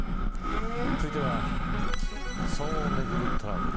続いては騒音をめぐるトラブル。